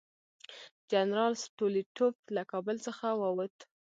جنرال سټولیټوف له کابل څخه ووت.